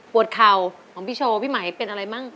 เข่าของพี่โชว์พี่ไหมเป็นอะไรมั่ง